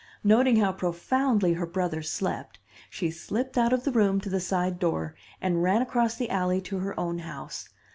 Noting how profoundly her brother slept, she slipped out of the room to the side door and ran across the alley to her own house.